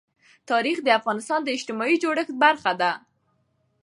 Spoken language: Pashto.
تاریخ د افغانستان د اجتماعي جوړښت برخه ده.